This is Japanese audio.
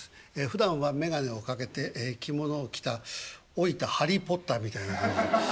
ふだんは眼鏡を掛けて着物を着た老いたハリー・ポッターみたいな感じ。